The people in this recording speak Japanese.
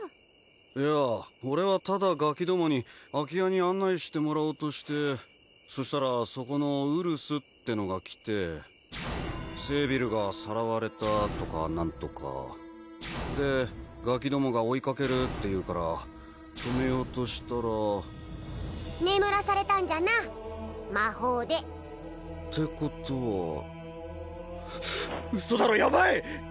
いや俺はただガキどもに空き家に案内してもらおうとしてそしたらそこのウルスってのが来てセービルがさらわれたとかなんとかでガキどもが追いかけるっていうから止めようとしたら眠らされたんじゃな魔法でってことはウソだろヤバい！